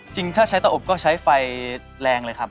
ถ้าใช้ตะอบก็ใช้ไฟแรงเลยครับ